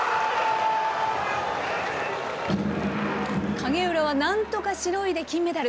影浦はなんとかしのいで金メダル。